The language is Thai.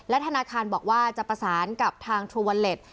และธนาคารบอกว่าจะประสานกับทางทรูเวอร์เล็ต